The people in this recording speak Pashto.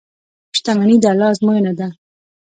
• شتمني د الله ازموینه ده.